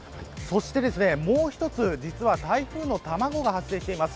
そして、もう一つ実は台風の卵が発生しています。